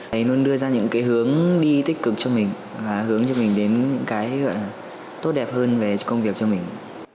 để luôn đưa ra những hướng đi tích cực cho mình và hướng cho mình đến những cái tốt đẹp hơn về công việc cho mình